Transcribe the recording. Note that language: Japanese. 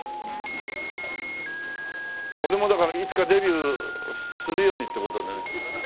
俺もだからいつかデビューするようにって事でね。